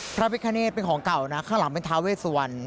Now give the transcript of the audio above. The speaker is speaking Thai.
พระพิคเนธเป็นของเก่านะข้างหลังเป็นทาเวสวรรณ